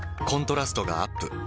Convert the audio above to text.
コントラストがアップ。